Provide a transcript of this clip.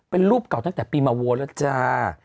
เป็นรูปเก่าตั้งแต่ปีมาโวแล้วจ้า